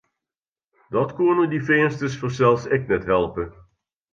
Dat koenen dy Feansters fansels ek net helpe.